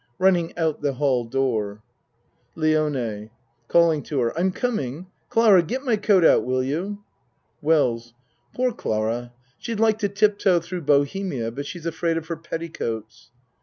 (Running out the hall door.) LIONE (Calling to her.) I'm coming. Clara, get my coat out, will you? WELLS Poor Clara, she'd like to tip toe through bohemia, but she's afraid of her petticoats.